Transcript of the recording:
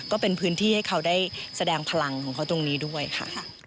ก็เป็นพื้นที่ให้เขาได้แสดงพลังของเขาตรงนี้ด้วยค่ะ